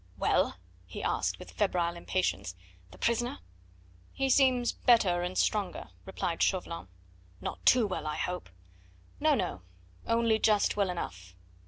"Well?" he asked with febrile impatience "the prisoner?" "He seems better and stronger," replied Chauvelin. "Not too well, I hope?" "No, no, only just well enough."